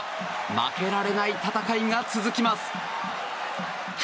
負けられない戦いが続きます。